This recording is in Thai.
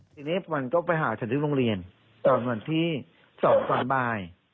ทีนี้มันก็ไปหาฉันที่โรงเรียนตอนวันที่๒ตอนบ่าย